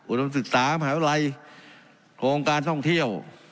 อุตสาหกรรมศึกษามหาวิทยาลัยโครงการท่องเที่ยว